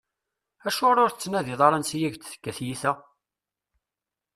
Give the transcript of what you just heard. Acuɣeṛ ur tettnadiḍ ara ansa i ak-d-tekka tyita?